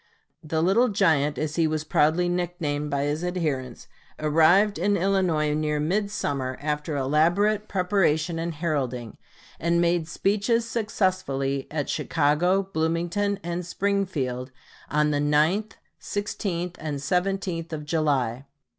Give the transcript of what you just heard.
The "Little Giant," as he was proudly nicknamed by his adherents, arrived in Illinois near midsummer, after elaborate preparation and heralding, and made speeches successively at Chicago, Bloomington, and Springfield on the 9th, 16th, and 17th of July.